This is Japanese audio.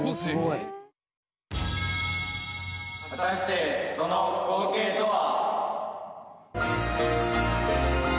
果たしてその光景とは？